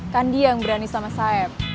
kan dia yang berani sama saeb